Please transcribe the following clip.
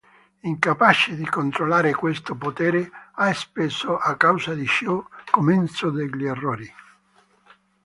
Incapace di controllare questo potere ha spesso, a causa di ciò, commesso degli errori.